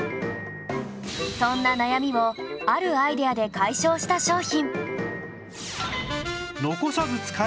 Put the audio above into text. そんな悩みをあるアイデアで解消した商品